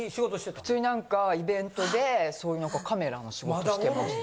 普通になんかイベントでそういうなんかカメラの仕事してました。